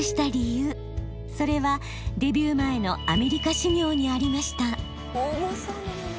それはデビュー前のアメリカ修行にありました。